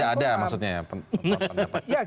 dan akan tidak ada maksudnya ya pendapatnya